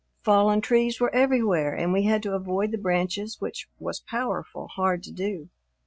Fallen trees were everywhere and we had to avoid the branches, which was powerful hard to do.